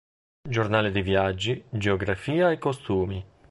Giornale di viaggi, geografia e costumi".